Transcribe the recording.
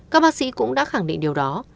các bác sĩ cũng đã khẳng định điều đó